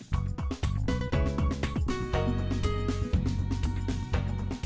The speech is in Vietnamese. hãy đăng ký kênh để ủng hộ kênh của mình nhé